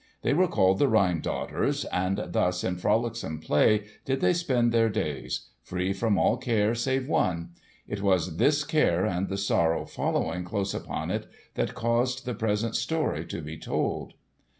They were called the Rhine Daughters, and thus in frolicsome play did they spend their days—free from all care save one. It was this care and the sorrow following close upon it that caused the present story to be told.